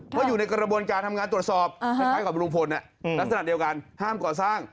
เพราะอยู่ในกระบวนการทำงานตรวจสอบคล้ายกับลุงพลลักษณะเดียวกันห้ามก่อสร้าง